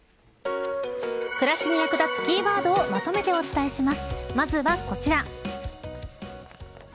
暮らしに役立つキーワードをまとめてお伝えします。